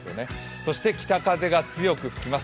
そして北風が強く吹きます。